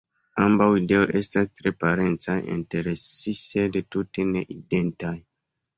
Ambaŭ ideoj estas tre parencaj inter si sed tute ne identaj.